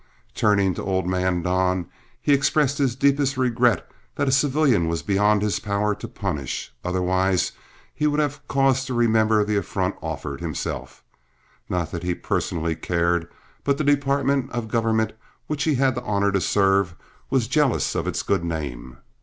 Turning to old man Don, he expressed the deepest regret that a civilian was beyond his power to punish, otherwise he would have cause to remember the affront offered himself; not that he personally cared, but the department of government which he had the honor to serve was jealous of its good name.